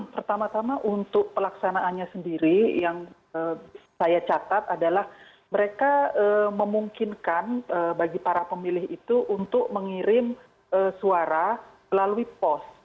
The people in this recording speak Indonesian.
pertama tama untuk pelaksanaannya sendiri yang saya catat adalah mereka memungkinkan bagi para pemilih itu untuk mengirim suara melalui pos